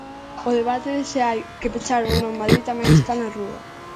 O debate de se hai que pechar ou non Madrid tamén está na rúa.